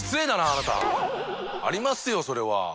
あなた！ありますよそれは。